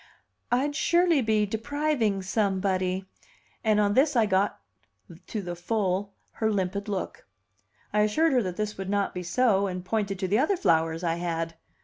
"I'd surely be depriving somebody!" and on this I got to the full her limpid look. I assured her that this would not be so, and pointed to the other flowers I had.